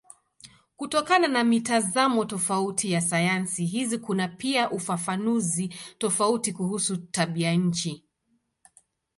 Kutokana na mitazamo tofauti ya sayansi hizi kuna pia ufafanuzi tofauti kuhusu tabianchi.